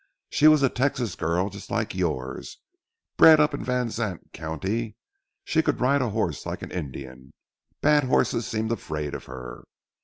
She was a Texas girl, just like yours, bred up in Van Zandt County. She could ride a horse like an Indian. Bad horses seemed afraid of her.